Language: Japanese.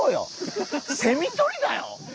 セミとりだよ？